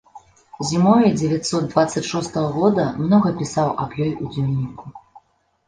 Зімою дзевяцьсот дваццаць шостага года многа пісаў аб ёй у дзённіку.